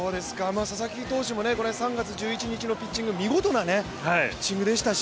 佐々木投手も３月１１日のピッチング、見事なピッチングでしたし。